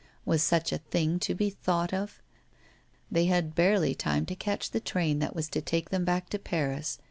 Was such a thing to be thought of? They had barely time to catch the train that was to take them back to Paris.